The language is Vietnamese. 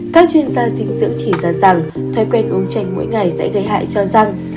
các chuyên gia dinh dưỡng chỉ ra rằng thói quen uống chanh mỗi ngày sẽ gây hại cho răng